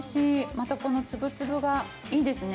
またこのツブツブがいいですね